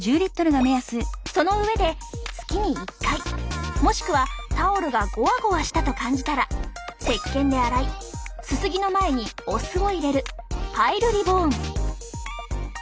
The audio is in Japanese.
その上で月に１回もしくはタオルがゴワゴワしたと感じたらせっけんで洗いすすぎの前にお酢を入れるパイルリボーン。